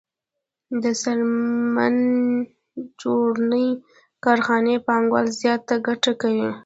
د څرمن جوړونې کارخانې پانګوال زیاته ګټه کوي